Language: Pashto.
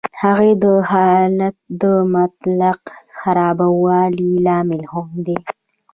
هغوی د حالت د مطلق خرابوالي لامل هم دي